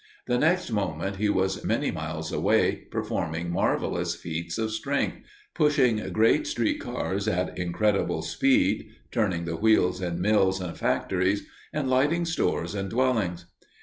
The next moment he was many miles away, performing marvelous feats of strength pushing great street cars at incredible speed, turning the wheels in mills and factories, and lighting stores and dwellings.